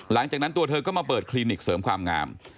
หลังจากนั้นตัวเธอก็มาเปิดคลินิกเสริมความงาม